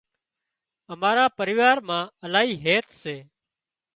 امارا پريوار مان الاهي هيت سي